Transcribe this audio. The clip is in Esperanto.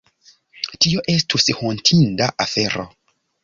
Tio estus hontinda afero.